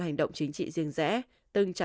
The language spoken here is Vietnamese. hành động chính trị riêng rẽ từng trả